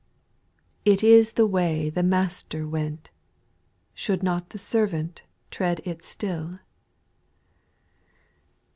18S It is the way the Master went, Should not the servant tread it still